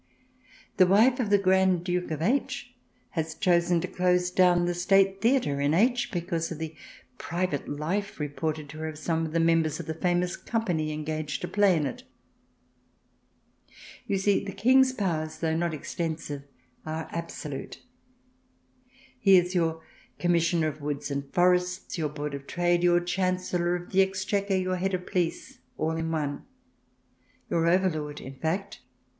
The wife of the Grand Duke of H. has chosen to close down the State Theatre in H. because of the private life, reported to her, of some of the members of the famous company engaged to play in it ! You see, the King's powers, though not extensive, are absolute. He is your Commissioner of Woods and Forests, your Board of Trade, your Chancellor of the Exchequer, your head of police, all in one — your overlord, in fact.